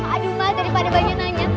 aduh ma daripada bayi nanya